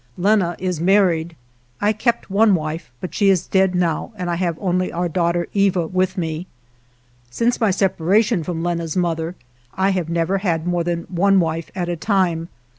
Lenna is married. I kept one 178 A PRISONER OF WAR wife, but she is dead now and I have only our daughter Eva with me. Since my separation from Lenna's mother I have never had more than one wife at a time.